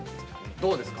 どうですか？